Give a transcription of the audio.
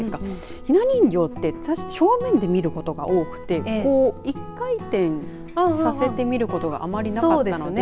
ひな人形って正面で見ることが多くて一回転させて見ることがあまりなかったです。